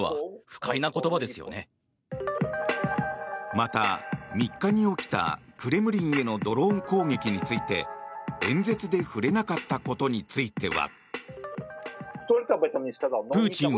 また、３日に起きたクレムリンへのドローン攻撃について演説で触れなかったことについては。